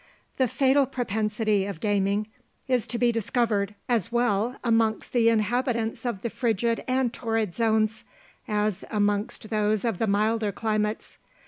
The fatal propensity of gaming is to be discovered, as well amongst the inhabitants of the frigid and torrid zones, as amongst those of the milder climates.